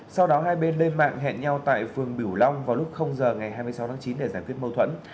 sau đó hai bên lên mạng hẹn nhau tại phường bỉu long vào lúc giờ ngày hai mươi sáu tháng chín để giải quyết mâu thuẫn